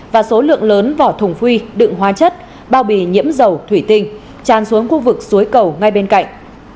và số lượng lớn vỏ thùng phi đựng hóa chất bao bì nhiễm dầu thủy tinh tràn xuống khu vực suối cầu ngay bên cạnh